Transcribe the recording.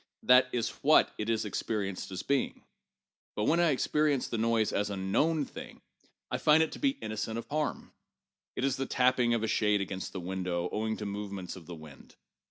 That is what it is experienced as being. But, when I experience the noise as a known thing, I find it to be innocent of harm. It is the tapping of a shade against the window, owing to movements of the wind.